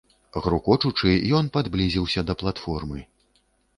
Грукочучы, ён падблізіўся да платформы.